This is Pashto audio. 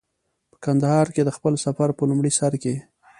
په کندهار کې د خپل سفر په لومړي سر کې.